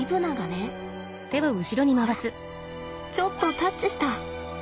ほらちょっとタッチした。